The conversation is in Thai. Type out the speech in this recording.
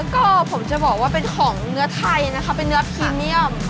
ก็ผมจะบอกว่าเป็นของเนื้อไทยนะคะเป็นเนื้อพรีเมียม